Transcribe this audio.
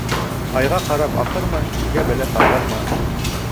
Айға ҡарап аҡырма, илгә бәлә саҡырма.